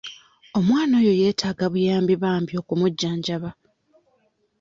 Omwana oyo yeetaaga buyambi bambi okumujjanjaba.